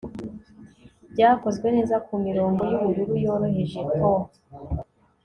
byakozwe neza kumirongo yubururu yoroheje taut